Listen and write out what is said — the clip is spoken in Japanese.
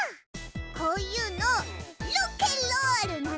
こういうのロケンロールなんだって！